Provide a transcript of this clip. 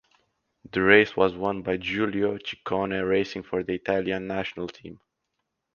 The race was won by Giulio Ciccone racing for the Italian national team.